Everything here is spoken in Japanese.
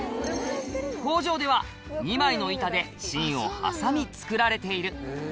工場では、２枚の板で芯を挟み作られている。